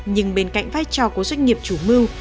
nhưng bên cạnh vai trò của doanh nghiệp chủ mưu